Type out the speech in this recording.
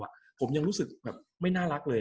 กับการสตรีมเมอร์หรือการทำอะไรอย่างเงี้ย